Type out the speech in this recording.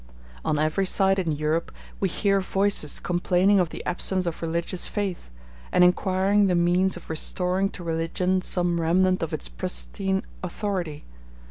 On every side in Europe we hear voices complaining of the absence of religious faith, and inquiring the means of restoring to religion some remnant of its pristine authority.